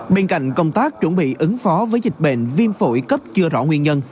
bên cạnh công tác chuẩn bị ứng phó với dịch bệnh viêm phổi cấp chưa rõ nguyên nhân